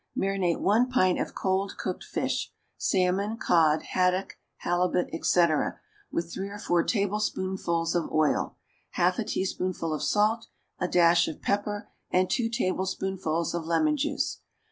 = Marinate one pint of cold cooked fish salmon, cod, haddock, halibut, etc. with three or four tablespoonfuls of oil, half a teaspoonful of salt, a dash of pepper and two tablespoonfuls of lemon juice.